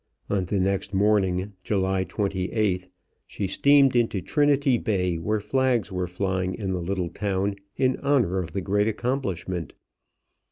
On the next morning, July 28th, she steamed into Trinity Bay, where flags were flying in the little town in honor of the great accomplishment.